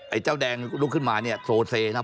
เจ้าแดงลุกขึ้นมาเนี่ยโซเซนะครับ